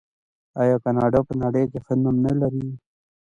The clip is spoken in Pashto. آیا کاناډا په نړۍ کې ښه نوم نلري؟